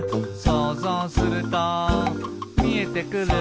「そうぞうするとみえてくる」